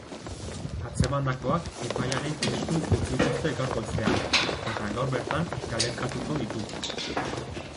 Atzemandakoak epailearen esku utzi dituzte gaur goizean, eta gaur bertan galdekatuko ditu.